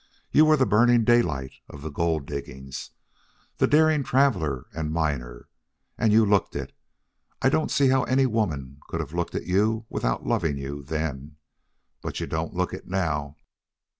You were the Burning Daylight of the gold diggings, the daring traveler and miner. And you looked it. I don't see how any woman could have looked at you without loving you then. But you don't look it now.